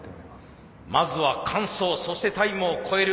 まずは完走そしてタイムを超える。